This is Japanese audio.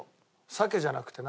さけじゃなくて何？